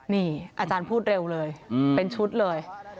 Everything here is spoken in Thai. นี่อาจารย์พูดเร็วเลยเป็นชุดเลย